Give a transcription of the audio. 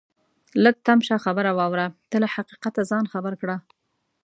لږ تم شه خبره واوره ته له حقیقته ځان خبر کړه